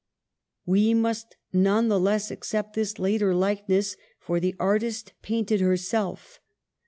We must none the less accept this later likeness, for the artist painted herself.